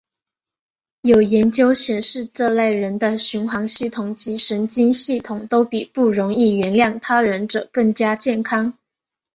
有研究显示这类人的循环系统及神经系统都比不容易原谅他人者更加健康。